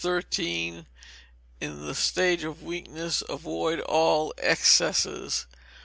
13, in the stage of weakness. Avoid all excesses.